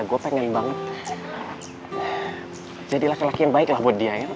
gue pengen banget jadi laki laki yang baik lah buat dia ya